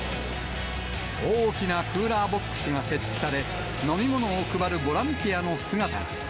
大きなクーラーボックスが設置され、飲み物を配るボランティアの姿が。